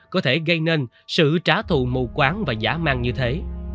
có thể gây nên sự trả thù mù quáng và giả mang như thế